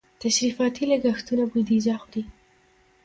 تشریفاتي لګښتونه بودیجه خوري.